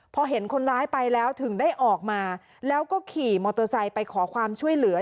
พอเห็นคนร้ายไปแล้วถึงได้ออกมาแล้วก็ขี่มอเตอร์ไซค์ไปขอความช่วยเหลือ